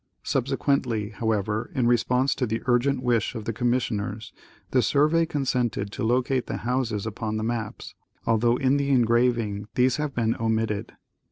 Subse quently, however, in response to the urgent wish of the commis sioners, the survey consented to locate the houses upon the maps, although in the engraving these have been omitted.